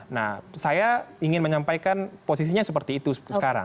nah saya ingin menyampaikan posisinya seperti itu sekarang